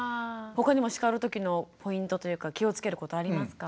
他にも叱る時のポイントというか気をつけることありますか？